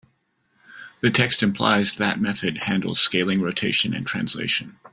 The text implies that method handles scaling, rotation, and translation.